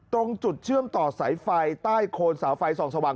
ตรงจุดเชื่อมต่อสายไฟใต้โคนเสาไฟส่องสว่าง